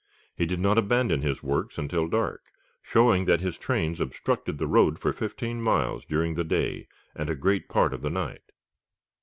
He did not abandon his works until dark, showing that his trains obstructed the road for fifteen miles during the day and a great part of the night.